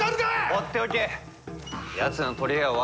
放っておけ。